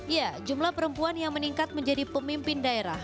ya jumlah perempuan yang meningkat menjadi pemimpin daerah